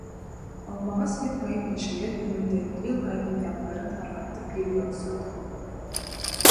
Алмағас йыл һайын йәшелгә күмелде, йыл һайын япраҡтарын, һарғайтып, елгә осорҙо.